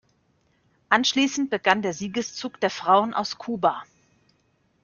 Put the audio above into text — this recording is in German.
Anschließend begann der Siegeszug der Frauen aus Kuba.